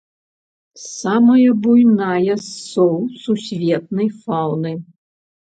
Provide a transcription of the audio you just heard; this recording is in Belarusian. Самая буйная з соў сусветнай фаўны.